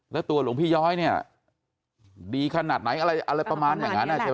แล้วตัวหลวงพี่ย้อยเนี่ยดีคันในอะไรประมาณทั้งงั้นอย่างนั้นได้ไหม